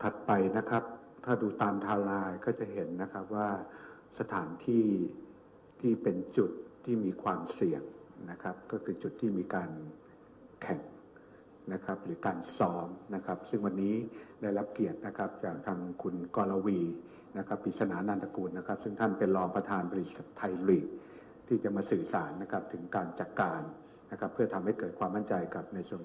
สถานที่ที่เป็นจุดที่มีความเสี่ยงนะครับก็คือจุดที่มีการแข่งนะครับหรือการซ้อมนะครับซึ่งวันนี้ได้รับเกียรตินะครับจากทางคุณกอลลาวีนะครับปริศนานานตระกูลนะครับซึ่งท่านเป็นรอบประธานบริษัทไทยหลีกที่จะมาสื่อสารนะครับถึงการจัดการนะครับเพื่อทำให้เกิดความมั่นใจกับท่านนะครับท่านคุณกอลลาวีนะ